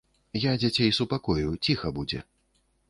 Я дзяцей супакою, ціха будзе.